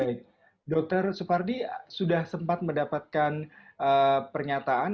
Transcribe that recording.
baik dr supardi sudah sempat mendapatkan pernyataan